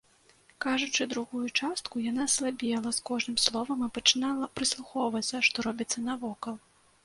Кажучы другую частку, яна слабела з кожным словам і пачынала прыслухоўвацца, што робіцца навокал.